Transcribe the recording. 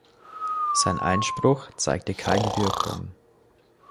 Sein Einspruch zeigte keine Wirkung.